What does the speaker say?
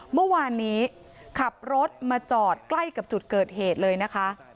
เมื่อวานนี้ขับรถมาจอดใกล้กับจุดเกิดเหตุเลยนะคะ